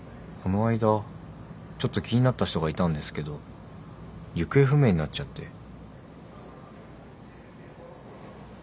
この間ちょっと気になった人がいたんですけど行方不明になっちゃって。